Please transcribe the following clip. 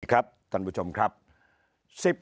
ครับท่านผู้ชมครับ